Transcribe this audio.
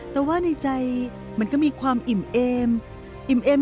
แต่ว่าในใจมันก็มีความอิ่มเอม